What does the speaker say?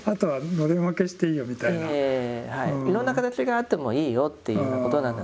「いろんな形があってもいいよ」っていうことなんだと思います。